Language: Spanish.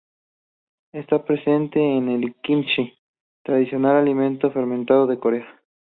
Está presente en el kimchi, tradicional alimento fermentado de Corea.